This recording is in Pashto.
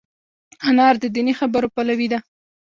انا د دیني خبرو پلوي ده